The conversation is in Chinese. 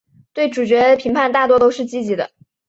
对主角的评价大都是积极的。